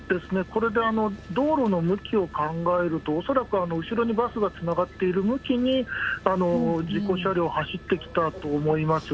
これで道路の向きを考えると、恐らく後ろにバスがつながっている向きに、事故車両走ってきたと思います。